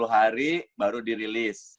sepuluh hari baru dirilis